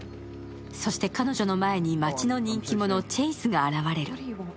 そして彼女の前に町の人気者チェイスが現れる。